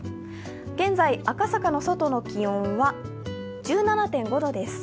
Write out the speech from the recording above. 現在赤坂の外の気温は１７．５度です。